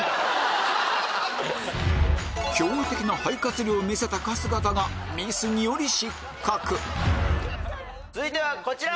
驚異的な肺活量を見せた春日だがミスにより失格続いてはこちら。